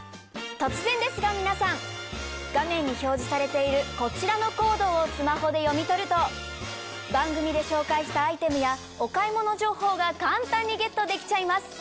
突然ですが皆さん画面に表示されているこちらのコードをスマホで読み取ると番組で紹介したアイテムやお買い物情報が簡単にゲットできちゃいます。